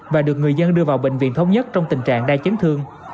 và được người dân đưa vào bệnh viện thống nhất trong tình trạng đa chấn thương